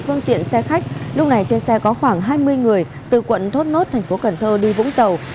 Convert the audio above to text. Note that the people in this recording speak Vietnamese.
phương tiện xe khách lúc này trên xe có khoảng hai mươi người từ quận thốt nốt thành phố cần thơ đi vũng tàu